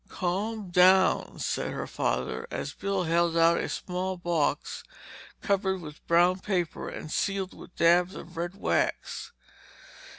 "Calm down!" said her father, as Bill held out a small box covered with brown paper and sealed with dabs of red wax.